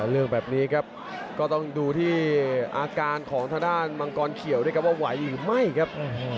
เรื่องแบบนี้ครับก็ต้องดูที่อาการของทางด้านมังกรเขียวด้วยครับว่าไหวหรือไม่ครับ